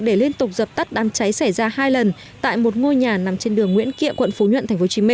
để liên tục dập tắt đám cháy xảy ra hai lần tại một ngôi nhà nằm trên đường nguyễn kệ quận phú nhuận tp hcm